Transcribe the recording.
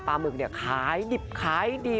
หมึกเนี่ยขายดิบขายดี